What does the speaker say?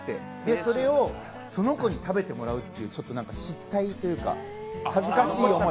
それをその子に食べてもらうという、失態というか恥ずかしい思い。